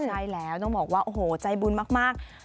ใช่แล้วต้องบอกว่าโอ้โหใจบุญมาก